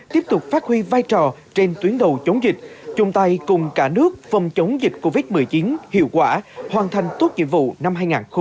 tiếp tục phát huy vai trò trên tuyến đầu chống dịch chung tay cùng cả nước phòng chống dịch covid một mươi chín hiệu quả hoàn thành tốt nhiệm vụ năm hai nghìn hai mươi